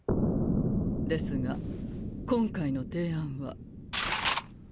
ですが今回の提案は。